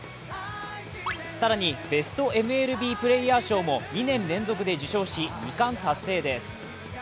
更にベストＭＬＢプレーヤー賞も２年連続で受賞し２冠達成です。